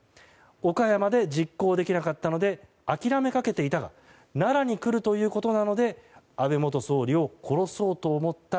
岡山で実行できなかったので諦めかけていたが奈良に来るということなので安倍元総理を殺そうと思った。